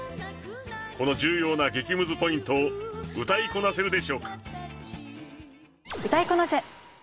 この重要な激ムズポイントを歌いこなせるでしょうか？